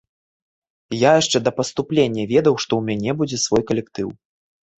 Я яшчэ да паступлення ведаў, што ў мяне будзе свой калектыў.